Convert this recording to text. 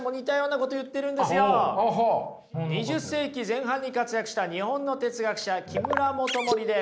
２０世紀前半に活躍した日本の哲学者木村素衛です。